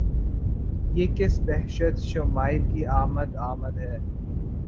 یہ کس بہشت شمائل کی آمد آمد ہے!